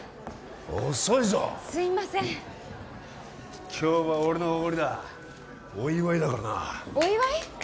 遅いぞすいません今日は俺のおごりだお祝いだからなお祝い？